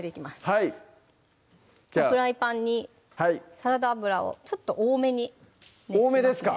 はいフライパンにサラダ油をちょっと多めに多めですか？